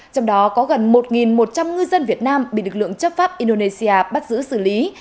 trong đó có gần một một trăm linh ngư dân việt nam bị lực lượng chấp pháp indonesia bắt giữ xử lý